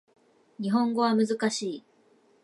日本語は難しい